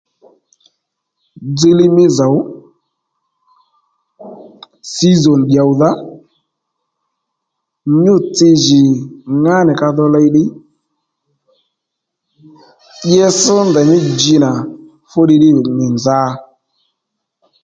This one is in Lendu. Dziylíy mí zòw sízòn dyòwdha nyû-tsi jì ŋǎnì ka dho ley ddiy itsś ndèymí dji nà fúddiy ddí nì li nza